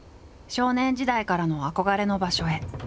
少年時代からの憧れの場所へ。